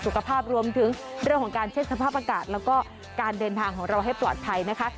สุขภาพรวมถึงเรื่องของการเช็คสภาพอากาศแล้วก็การเดินทางของเราให้ปลอดภัยนะคะ